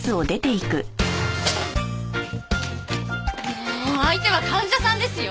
もう相手は患者さんですよ？